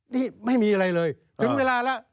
นี่ไม่มีอะไรเลยถึงเวลาแล้ว